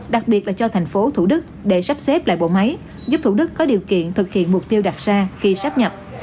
đặc biệt là cho thành phố thủ đức để sắp xếp lại bộ máy giúp thủ đức có điều kiện thực hiện mục tiêu đặt ra khi sắp nhập